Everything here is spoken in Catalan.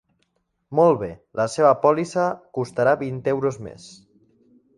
Molt bé, la seva pòlissa costarà vint euros més.